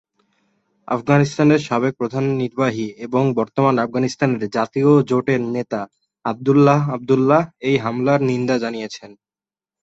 আফগানিস্তানের সাবেক প্রধান নির্বাহী এবং বর্তমান আফগানিস্তানের জাতীয় জোটের নেতা আব্দুল্লাহ আব্দুল্লাহ এই হামলার নিন্দা জানিয়েছেন।